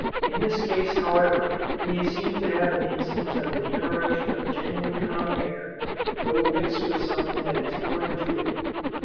In this case, however, we seem to have an instance of the generation of genuine common air, though mixed with something that is foreign to it.